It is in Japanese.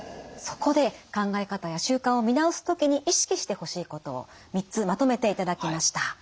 そこで考え方や習慣を見直す時に意識してほしいことを３つまとめていただきました。